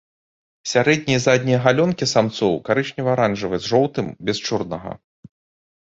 Сярэднія і заднія галёнкі самцоў карычнева-аранжавыя з жоўтым, без чорнага.